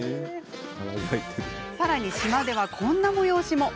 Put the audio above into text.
さらに島ではこんな催しも。